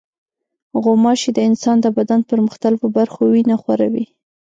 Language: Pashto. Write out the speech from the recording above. غوماشې د انسان د بدن پر مختلفو برخو وینه خوري.